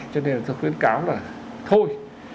cho nên là khuyến cáo là thôi